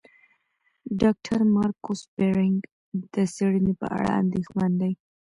ډاکټر مارکو سپرینګ د څېړنې په اړه اندېښمن دی.